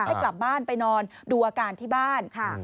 ให้กลับบ้านไปนอนดูอาการที่บ้าน